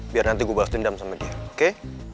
biar nanti gue bahas dendam sama dia oke